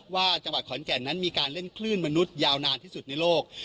จังหวัดขอนแก่นนั้นมีการเล่นคลื่นมนุษย์ยาวนานที่สุดในโลก